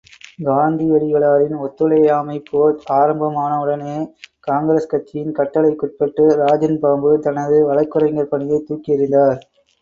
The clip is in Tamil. காந்தியடிகளாரின் ஒத்துழையாமைப் போர் ஆரம்பமானவுடனே காங்கிரஸ் கட்சியின் கட்டளைக்குட்பட்டு ராஜன்பாபு தனது வழக்குரைஞர் பணியைத் தூக்கி எறிந்தார்.